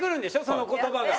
その言葉が。